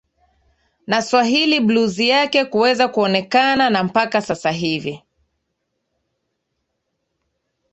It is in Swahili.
na swahili blues yake kuweza kuonekana na mpaka sasa hivi